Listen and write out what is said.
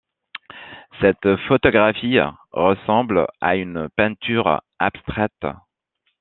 Cette photographie ressemble à une peinture abstraite.